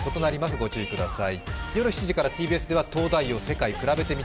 ご注意ください。